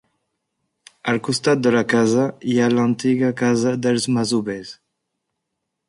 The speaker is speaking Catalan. Al costat de la casa, hi ha l'antiga casa dels masovers.